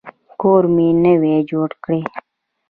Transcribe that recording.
کور مي نوی جوړ کی.